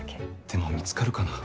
でも見つかるかな。